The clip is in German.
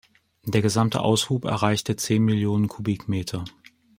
Der gesamte Aushub erreichte zehn Millionen Kubikmeter.